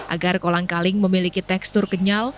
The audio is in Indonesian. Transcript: agar kolangkaling memiliki tekstur kenyal